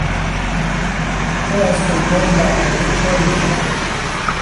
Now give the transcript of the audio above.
او از فنجان لب پریده چای میخورد.